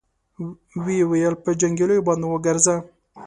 ويې ويل: په جنګياليو باندې وګرځه.